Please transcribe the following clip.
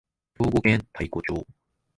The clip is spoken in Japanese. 兵庫県太子町